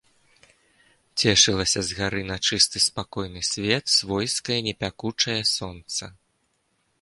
Цешылася з гары на чысты, спакойны свет свойскае, не пякучае сонца.